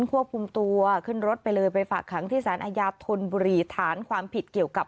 ควบคุมตัวขึ้นรถไปเลยไปฝากขังที่สารอาญาธนบุรีฐานความผิดเกี่ยวกับ